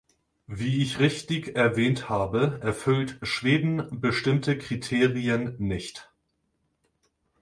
Wie ich richtig erwähnt habe, erfüllt Schweden bestimmte Kriterien nicht.